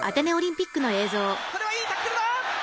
「これはいいタックルだ！